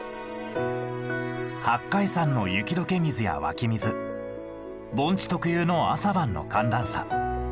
八海山の雪解け水や湧き水盆地特有の朝晩の寒暖差。